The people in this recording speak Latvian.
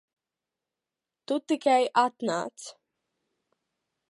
Tu tikai atnāc.